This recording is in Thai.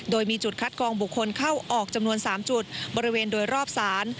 โดยมีจุดคัดกองบุคคลเข้าออกจำนวน๓จุดบริเวณโดยรอบศาล